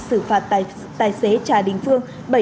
xử phạt tài xế trà đỉnh phương